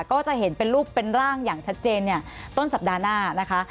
ก็จะเห็นเป็นรูปเป็นร่างอย่างชัดเจนเนี่ยต้นสัปดาห์หน้านะคะ